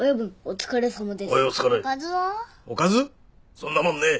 そんなもんねえ。